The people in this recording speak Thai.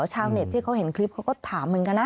ชาวเน็ตที่เขาเห็นคลิปเขาก็ถามเหมือนกันนะ